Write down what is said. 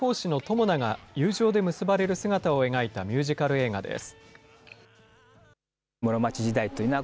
魚が友情で結ばれる姿を描いたミュージカル映画です。